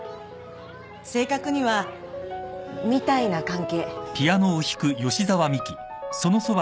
正確にはみたいな関係。